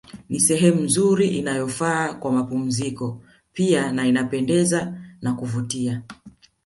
Ni sehemu nzuri inayofaa kwa mapumziko pia na inapendeza na kuvutia